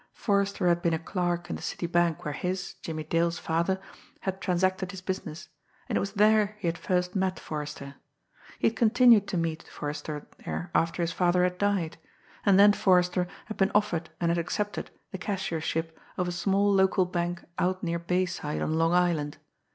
Forrester had been a clerk in the city bank where his, Jimmie Dale's, father had transacted his business, and it was there he had first met Forrester. He had continued to meet Forrester there after his father had died; and then Forrester had been offered and had accepted the cashiership of a small local bank out near Bayside on Long Island.